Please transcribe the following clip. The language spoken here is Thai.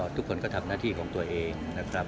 ทุกคนก็ทำหน้าที่ของตัวเอง